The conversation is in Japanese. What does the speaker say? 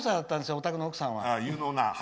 お宅の奥さんは。